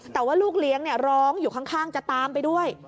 แต่ว่าลูกเลี้ยงร้องอยู่ข้างจะตามไปด้วย